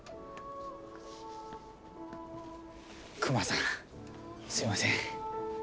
クマさんすいません。